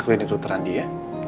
ke klinik ruterandi ya